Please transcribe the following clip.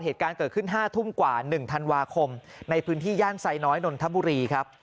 เหตุการณ์เกิดขึ้น๕ทุ่มกว่า๑ธันวาคมในพื้นที่ย่านไซน้อยนนทบุรีครับ